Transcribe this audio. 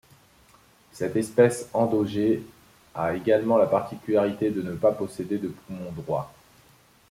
Cette espèce endogée a également la particularité de ne pas posséder de poumon droit.